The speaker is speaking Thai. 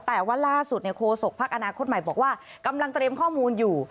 แต่ว่าล่าสุดโคศกพักอนาคตใหม่บอกว่ากำลังเตรียมข้อมูลอยู่